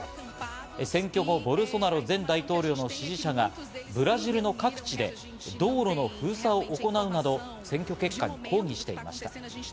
選挙後、ボルソナロ前大統領の支持者がブラジルの各地で道路の封鎖を行うなど選挙結果に抗議していました。